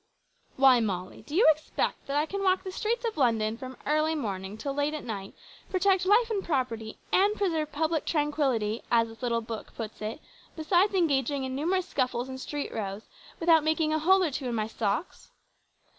"Why, Molly, do you expect that I can walk the streets of London from early morning till late at night, protect life and property, and preserve public tranquillity, as this little book puts it, besides engaging in numerous scuffles and street rows without making a hole or two in my socks?"